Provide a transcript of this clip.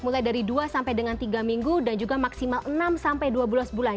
mulai dari dua sampai dengan tiga minggu dan juga maksimal enam sampai dua belas bulan